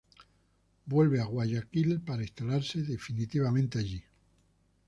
Vuelve a Guayaquil para instalarse definitivamente ahí.